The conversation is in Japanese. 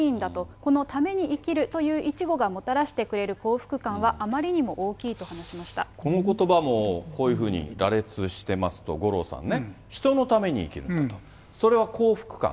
このために生きるという一語がもたらしてくれる幸福感は、あまりこのことばも、こういうふうに羅列してますと、五郎さんね、人のために生きるんだと、それは幸福感。